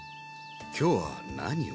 今日は何を？